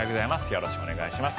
よろしくお願いします。